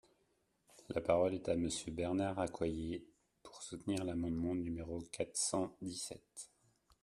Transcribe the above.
La parole est à Monsieur Bernard Accoyer, pour soutenir l’amendement numéro quatre cent dix-sept.